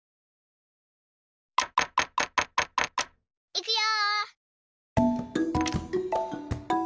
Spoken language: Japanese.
いくよ！